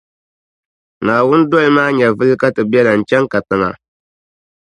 Naawuni dolimi a nyɛvuli ka ti beli a n-chaŋ katiŋa.